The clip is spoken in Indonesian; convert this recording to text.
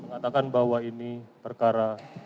katakan bahwa ini perkara